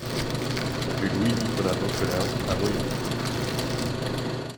Rue Louis Nicolas Vauquelin à Noyon